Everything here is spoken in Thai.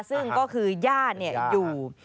ซึ่งก็คือญาติอยู่